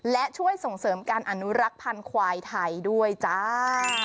และช่วยส่งเสริมการอนุรักษ์พันธุ์ควายไทยด้วยจ้า